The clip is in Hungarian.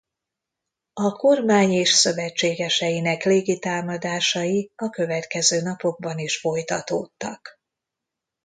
A kormány és szövetségeseinek légitámadásai a következő napokban is folytatódtak.